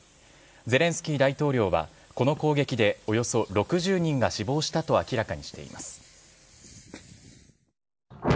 ゼレンスキー大統領は、この攻撃でおよそ６０人が死亡したと明らかにしています。